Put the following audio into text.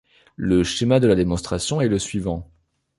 Le schéma de la démonstration est le suivant.